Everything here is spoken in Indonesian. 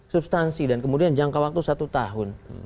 substansi dan kemudian jangka waktu satu tahun